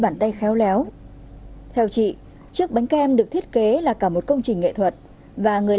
bàn tay khéo léo theo chị chiếc bánh kem được thiết kế là cả một công trình nghệ thuật và người